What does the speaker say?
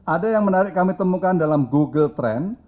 ada yang menarik kami temukan dalam google trend